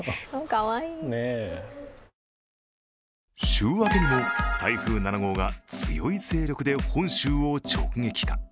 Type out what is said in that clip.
週明けにも台風７号が強い勢力で本州を直撃か。